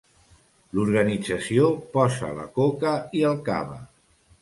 L'organització posa la coca i el cava.